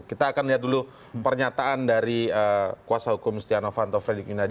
kita akan lihat dulu pernyataan dari kuasa hukum stian avanto fredrik inadi